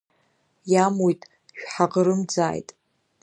Иамуит, шәҳаӷрымӡааит.